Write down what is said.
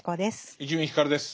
伊集院光です。